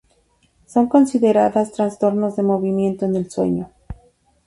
Son consideradas trastornos de movimiento en el sueño.